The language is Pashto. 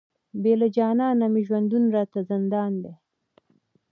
بې له جانانه مي ژوندون راته زندان دی،